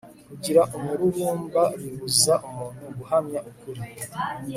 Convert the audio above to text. kugira umururumba bibuza umuntu guhamya ukuri